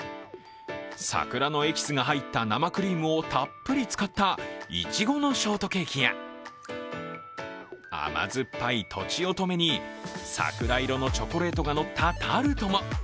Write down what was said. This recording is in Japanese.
桜のエキスが入った生クリームをたっぷり使ったいちごのショートケーキや、甘酸っぱいとちおとめに桜色のチョコレートがのったタルトも。